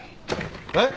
えっ？